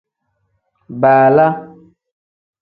Baala.